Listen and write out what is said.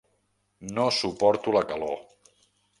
No suporto la calor.